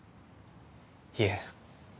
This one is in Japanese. いえ。